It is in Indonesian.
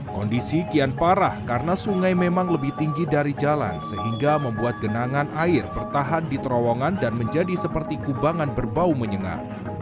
kondisi kian parah karena sungai memang lebih tinggi dari jalan sehingga membuat genangan air bertahan di terowongan dan menjadi seperti kubangan berbau menyengat